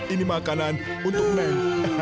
ini makanan untuk neng